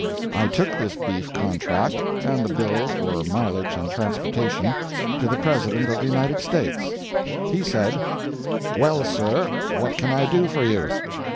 I took this beef contract, and the bill for mileage and transportation, to the President of the United States. He said, "Well, sir, what can I do for you?"